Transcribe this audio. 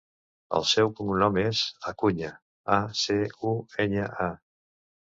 El seu cognom és Acuña: a, ce, u, enya, a.